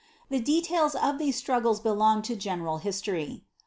* The details of these strug gles belong to general history.